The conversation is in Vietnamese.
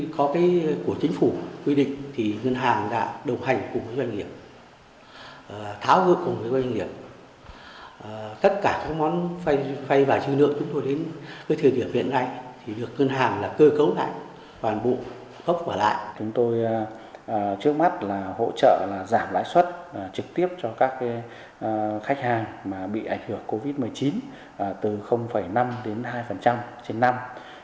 chúng tôi trước mắt là hỗ trợ giảm lãi xuất trực tiếp cho các khách hàng bị ảnh hưởng covid một mươi chín từ năm đến hai trên năm